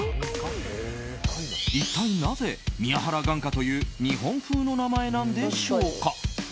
一体なぜ、宮原眼科という日本風の名前なんでしょうか。